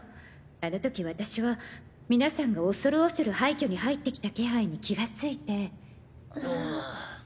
あの時私は皆さんが恐る恐る廃墟に入ってきた気配に気がついて。